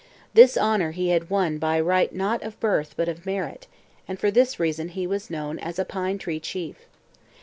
This honour he had won by right not of birth but of merit, and for this reason he was known as a 'Pine tree Chief.'